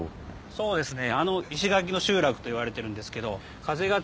そうですね。